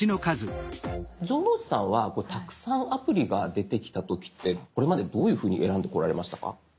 城之内さんはたくさんアプリが出てきた時ってこれまでどういうふうに選んでこられましたか？